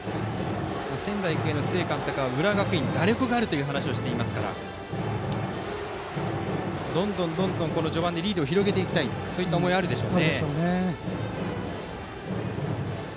仙台育英の須江監督は浦和学院は打力があるという話をしていますからどんどん序盤でリードを広げていきたいというそういった思いはあるでしょう。